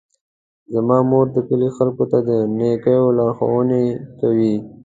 زما مور د کلي خلکو ته د نیکیو لارښوونې کوي.